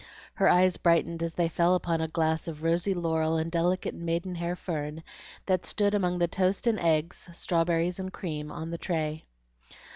Her eyes brightened as they fell upon a glass of rosy laurel and delicate maidenhair fern that stood among the toast and eggs, strawberries and cream, on the tray.